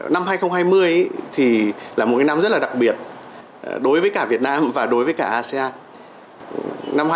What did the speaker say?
năm hai nghìn hai mươi thì là một năm rất là đặc biệt đối với cả việt nam và đối với cả asean